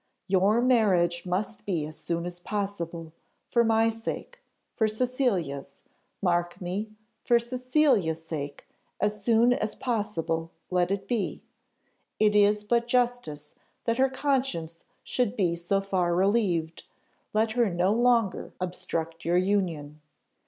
Your marriage must be as soon as possible, for my sake, for Cecilia's mark me! for Cecilia's sake, as soon as possible let it be; it is but justice that her conscience should be so far relieved, let her no longer obstruct your union.